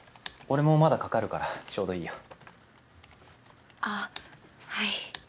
俺もまだかかるからちょうどいいよ。